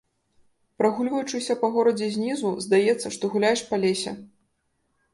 Прагульваючыся па горадзе знізу, здаецца, што гуляеш па лесе.